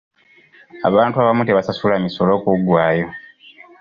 Abantu abamu tebasasula misolo kuggwayo.